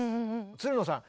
つるのさん